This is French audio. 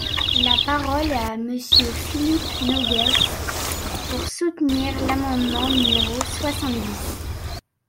La parole est à Monsieur Philippe Noguès, pour soutenir l’amendement numéro soixante-dix.